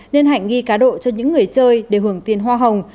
nên hạnh nghi cá độ cho những người chơi để hưởng tiền hoa hồng